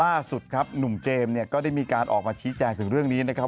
ล่าสุดครับหนุ่มเจมส์เนี่ยก็ได้มีการออกมาชี้แจงถึงเรื่องนี้นะครับ